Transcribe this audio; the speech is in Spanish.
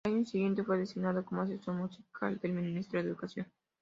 Al año siguiente fue designado como asesor musical del Ministerio de Educación.